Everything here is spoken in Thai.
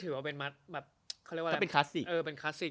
ถือว่าเป็นมัสแบบเขาเรียกว่าถ้าเป็นคลาสสิกเออเป็นคลาสสิก